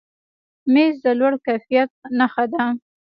مېز د لوړ کیفیت نښه ده.